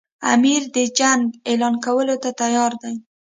امیر د جنګ اعلان کولو ته تیار دی.